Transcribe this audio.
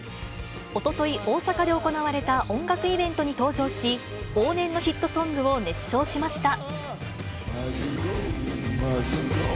おととい、大阪で行われた音楽イベントに登場し、往年のヒットソングを熱唱しました。